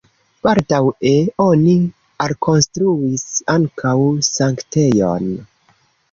Baldaŭe oni alkonstruis ankaŭ sanktejon.